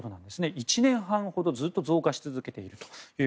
１年半ほどずっと増加し続けていると。